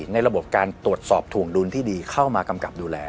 ระบบการตรวจสอบถวงดุลที่ดีเข้ามากำกับดูแล